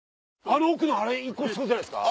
あの奥のあれ１個そうじゃないですか？